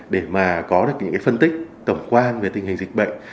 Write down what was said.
để mà có được những phân tích tổng quan về tình hình dịch bệnh